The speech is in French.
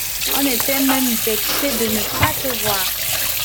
On était même vexé de ne pas te voir.